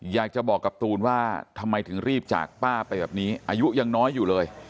อยากจะบอกกับตูนว่าทำไมถึงรีบจากป้าไปแบบนี้อายุยังน้อยอยู่เลย